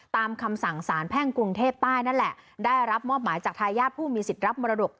ตามคำสั่งสารแพ่งกรุงเทพใต้นั่นแหละได้รับมอบหมายจากทายาทผู้มีสิทธิ์รับมรดก